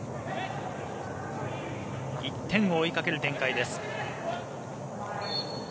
１点を追いかける展開です。